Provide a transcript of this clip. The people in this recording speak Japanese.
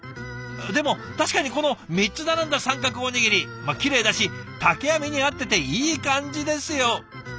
でも確かにこの３つ並んだ三角おにぎりきれいだし竹編みに合ってていい感じですよ！